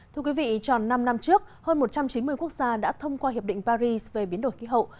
thưa quý vị tròn năm năm trước hơn một trăm chín mươi quốc gia đã thông qua hiệp định paris về biến đổi khí hậu